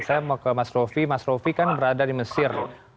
saya mau ke mas rofi mas rofi kan berada di mesir